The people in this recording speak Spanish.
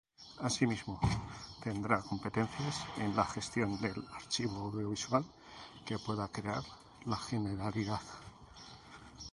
Asimismo, tendrá competencias en la gestión del archivo audiovisual que pueda crear la Generalidad.